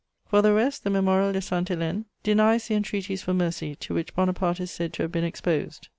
For the rest, the Mémorial de Sainte Hélène denies the entreaties for mercy to which Bonaparte is said to have been exposed.